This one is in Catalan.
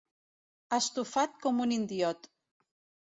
Estufat com un indiot.